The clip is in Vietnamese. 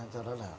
do đó là